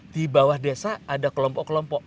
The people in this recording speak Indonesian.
di bawah desa ada kelompok kelompok